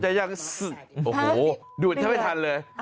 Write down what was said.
โอโหดูดทางไปทันเลย